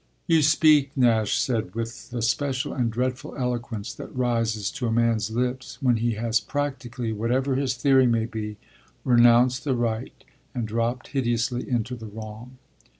"You speak," Nash said, "with the special and dreadful eloquence that rises to a man's lips when he has practically, whatever his theory may be, renounced the right and dropped hideously into the wrong.